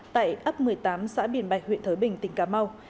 tại ấp một mươi tám xã biển bạch huyện thới bình tỉnh cà mau